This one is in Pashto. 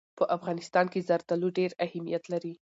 په افغانستان کې زردالو ډېر اهمیت لري.